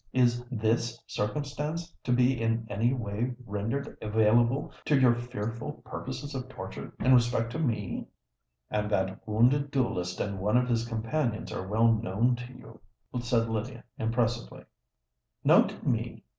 "Is this circumstance to be in any way rendered available to your fearful purposes of torture in respect to me?" "And that wounded duellist and one of his companions are well known to you," said Lydia, impressively. "Known to me!"